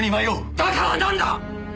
だからなんだ！